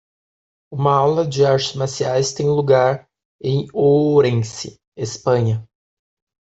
uma aula de artes marciais tem lugar em Ourense? Espanha.